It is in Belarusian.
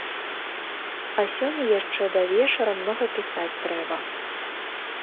А сёння яшчэ да вечара многа пісаць трэба.